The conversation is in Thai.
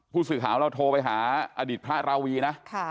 ผู้ศึกร้านเราโทรไปหาอดิษฐ์พระราวีนะ